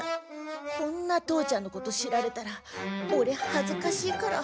こんな父ちゃんのこと知られたらオレはずかしいから。